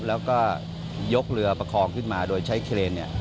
แล้วก็ยกเรือประคองขึ้นมาโดยใช้เครน